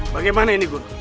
bagaimana ini guru